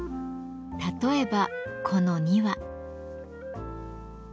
例えばこの２羽。